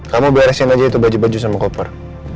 kamu beresin aja itu baju baju sama koper